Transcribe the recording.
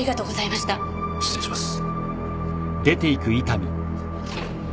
失礼します。